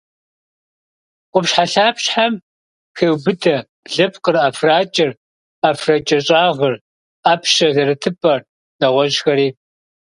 Къупщхьэлъапщхьэм хеубыдэ блыпкъыр, ӏэфракӏэр, ӏэфракӏэщӏагъыр, ӏэпщэ зэрытыпӏэр, нэгъуэщӏхэри.